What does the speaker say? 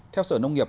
theo sở nông nghiệp